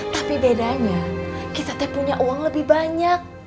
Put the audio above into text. tapi bedanya kita teh punya uang lebih banyak